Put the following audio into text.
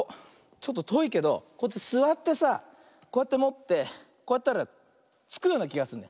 ちょっととおいけどこうやってすわってさこうやってもってこうやったらつくようなきがするの。